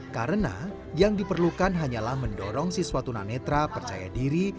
karena yang diperlukan hanyalah mendorong siswa tunanetra percaya diri